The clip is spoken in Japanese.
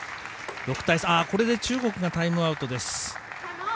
これで中国がタイムアウトです。